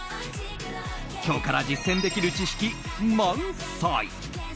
今日から実践できる知識満載！